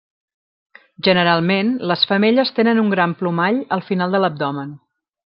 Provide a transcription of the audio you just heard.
Generalment, les femelles tenen un gran plomall al final de l'abdomen.